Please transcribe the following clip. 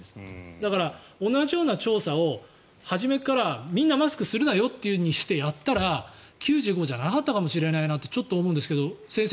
だから、同じような調査を初めからみんなマスクするなよというふうにしてやったら、９５％じゃなかったかもしれないなとちょっと思うんですけど先生